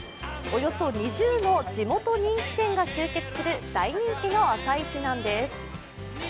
およそ２０の地元人気店が集結する大人気の朝市なんです。